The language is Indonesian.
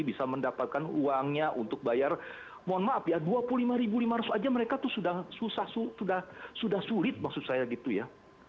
bisa mendapatkan uangnya untuk bayar mohon maaf ya dua puluh lima lima ratus aja mereka tuh sudah sulit maksud saya gitu ya